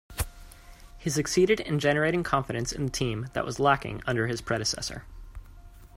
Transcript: He succeeded in generating confidence in the team that was lacking under his predecessor.